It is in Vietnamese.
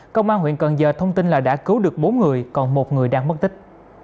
công an huyện cần giờ thông tin là đã cứu được bốn người còn một người đang mất tích